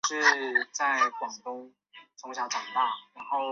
圣雷米拉瓦朗人口变化图示